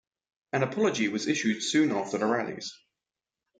An apology was issued soon after the rallies.